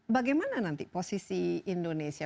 bagaimana nanti posisi indonesia